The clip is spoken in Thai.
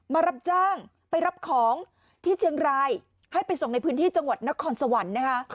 มารับจ้างไปกระปรับของที่เชียงรายไปส่วนห้องของในจังหวัดนครสวรรค์